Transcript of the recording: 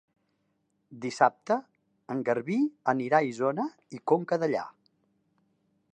Dissabte en Garbí anirà a Isona i Conca Dellà.